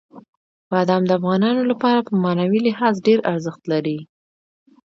بادام د افغانانو لپاره په معنوي لحاظ ډېر ارزښت لري.